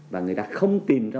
và người ta không tìm ra